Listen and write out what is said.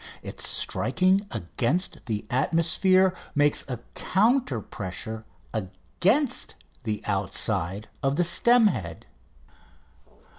Its striking against the atmosphere makes a counter pressure against the outside of the stem head.